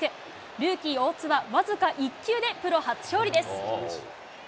ルーキー、大津は僅か１球でプロ初勝利です。